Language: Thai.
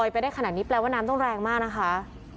พี่บูรำนี้ลงมาแล้ว